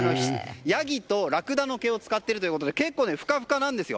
ヤギとラクダの毛を使っているということで結構ふかふかなんです。